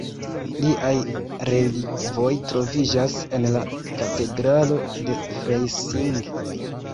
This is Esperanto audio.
Liaj relikvoj troviĝas en la katedralo de Freising.